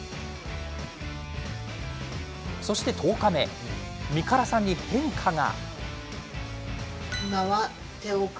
そして、１０日目みからさんに変化が。